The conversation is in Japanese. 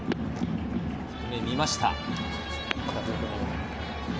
低め、見ました。